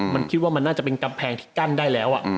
มันคิดว่ามันน่าจะเป็นกำแพงที่กั้นได้แล้ว